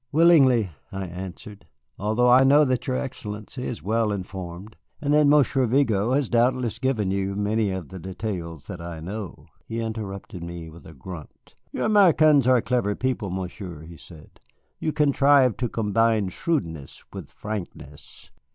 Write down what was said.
"Willingly," I answered. "Although I know that your Excellency is well informed, and that Monsieur Vigo has doubtless given you many of the details that I know." He interrupted me with a grunt. "You Americans are clever people, Monsieur," he said; "you contrive to combine shrewdness with frankness."